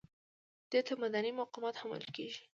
دې ته مدني مقاومت هم ویل کیږي.